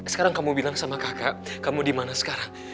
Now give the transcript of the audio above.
sekarang kamu bilang sama kakak kamu dimana sekarang